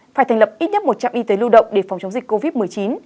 phải thành lập ít nhất một trạm y tế lưu động để phòng chống dịch covid một mươi chín